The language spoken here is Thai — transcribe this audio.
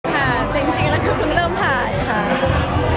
ก็จริงแล้วครึ่งเลิ่มผ่าน